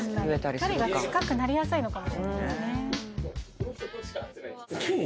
距離が近くなりやすいのかもしれないですね